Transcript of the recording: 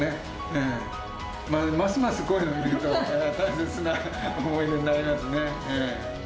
ますますこういうのを見ると、大切な思い出になりますね。